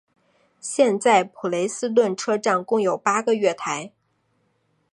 现在普雷斯顿车站共有八个月台。